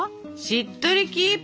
「しっとりキープ！！」。